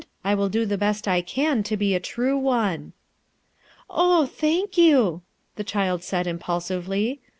I will do the best I can to be a true one." "Oh, thank you/' the child said impulsively.